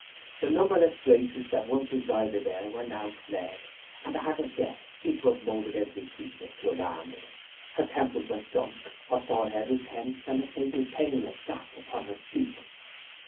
The numberless graces that once resided there were now fled, and the hand of death seemed to have molded every feature to alarm me. Her temples were sunk, her forehead was tense, and a fatal paleness sate upon her cheek.